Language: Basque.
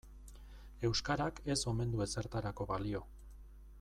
Euskarak ez omen du ezertarako balio.